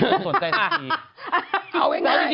เอาเองไง